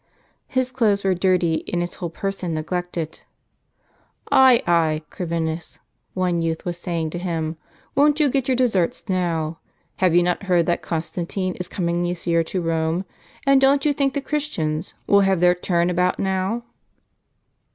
His clothes were dirty, and his whole person neglected. "Ay, ay, Corvinus," one youth was saying to him, "won't you get your deserts, now ? Have you not heard that Con stantino is coming this year to Rome, and don't you think the Christians will have their turn about now